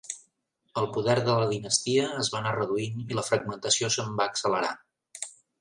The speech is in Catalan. El poder de la dinastia es va anar reduint i la fragmentació se'n va accelerar.